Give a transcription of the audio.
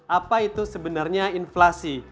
apa itu sebenarnya inflasi